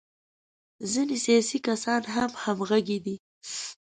ځینې سیاسي کسان هم همغږي دي.